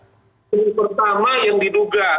pertama yang diduga